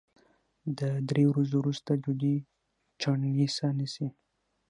د درې ورځو وروسته ډوډۍ چڼېسه نیسي